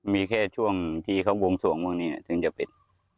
มีแค่ช่วงที่เขียวกงวลวงส่วนวงนี่เนี่ยถึงจะเป็น